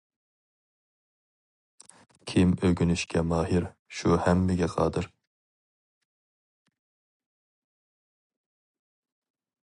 كىم ئۆگىنىشكە ماھىر، شۇ ھەممىگە قادىر.